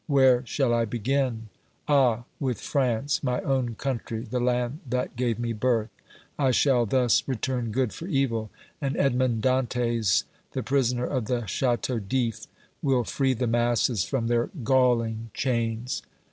Where shall I begin? Ah! with France, my own country, the land that gave me birth. I shall thus return good for evil, and Edmond Dantès, the prisoner of the Château d'If, will free the masses from their galling chains.